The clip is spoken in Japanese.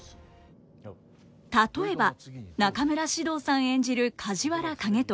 例えば中村獅童さん演じる梶原景時。